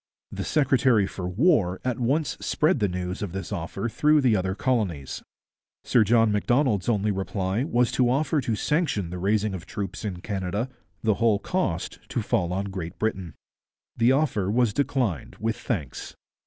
The secretary for war at once spread the news of this offer through the other colonies. Sir John Macdonald's only reply was to offer to sanction the raising of troops in Canada, the whole cost to fall on Great Britain. The offer was declined with thanks.